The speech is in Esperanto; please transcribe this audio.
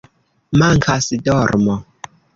Mankas dormo